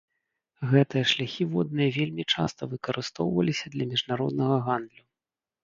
Гэтыя шляхі водныя вельмі часта выкарыстоўваліся для міжнароднага гандлю.